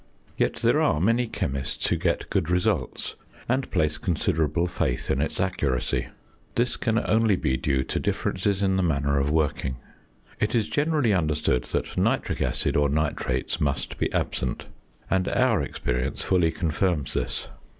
Yet there are many chemists who get good results, and place considerable faith in its accuracy. This can only be due to differences in the manner of working. It is generally understood that nitric acid or nitrates must be absent; and our experience fully confirms this.